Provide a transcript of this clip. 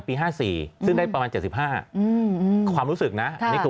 ผู้มาใช้สิทธิ์